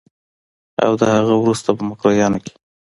او د هغه وروسته په مکروریانو کې